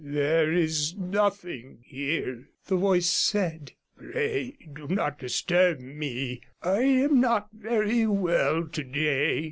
'There is nothing here,' the voice said. 'Pray do not disturb me. I am not very well today.'